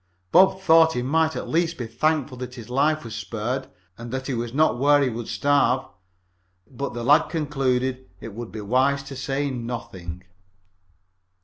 Bob thought he might at least be thankful that his life was spared and that he was not where he would starve, but the lad concluded it would be wise to say nothing.